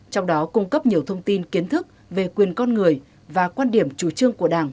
trong đó cung cấp nhiều thông tin kiến thức về quyền con người và quan điểm chủ trương của đảng